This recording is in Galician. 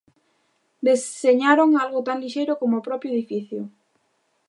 Deseñaron algo tan lixeiro como o propio edificio.